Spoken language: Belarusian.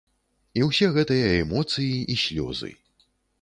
І ўсе гэтыя эмоцыі і слёзы.